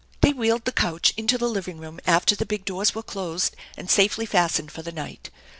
They wheeled the couch into the living room after the big doors were closed and safely fastened for the night.